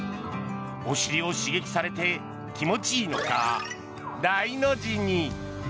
お尻を刺激されて気持ちいいのか大の字に。